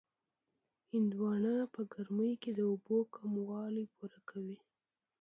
هندواڼه په ګرمۍ کې د اوبو کموالی پوره کوي.